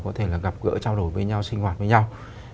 có thể là gặp gỡ trao đổi với nhau sinh hoạt với nhau